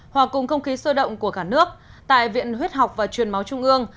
hòa cùng không khí sôi động của cả nước tại viện huyết học và truyền máu trung ương